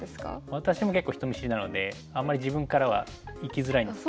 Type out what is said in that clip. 私も結構人見知りなのであんまり自分からはいきづらいんですよ。